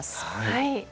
はい。